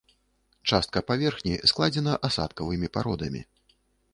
Частка паверхні складзена асадкавымі пародамі.